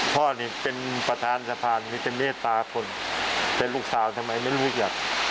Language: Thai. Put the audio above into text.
พ่อนี่เป็นประธานสะพานมีแต่เมตตาคนเป็นลูกสาวทำไมไม่รู้จัก